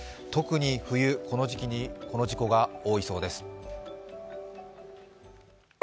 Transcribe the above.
特に冬、この時期にこの事故が多いそうです。